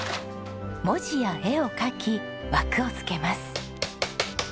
文字や絵を描き枠を付けます。